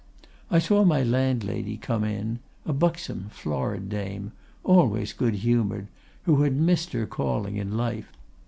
I saw my landlady come in, a buxom, florid dame, always good humored, who had missed her calling in life.